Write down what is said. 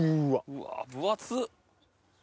うわ分厚っ！